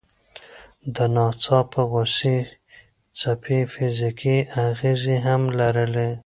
د ناڅاپه غوسې څپې فزیکي اغېزې هم لري.